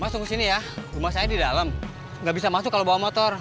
mas tunggu sini ya rumah saya di dalam enggak bisa masuk kalau bawa motor